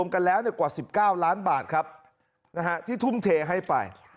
กันแล้วกว่า๑๙ล้านบาทครับที่ทุ่มเทให้ไป